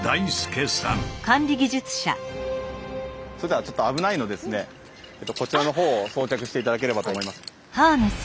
それではちょっと危ないのでこちらのほうを装着して頂ければと思います。